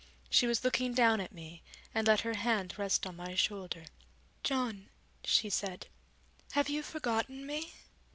She was looking down at me, and let her hand rest on my shoulder. 'John,' she said, 'have you forgotten me?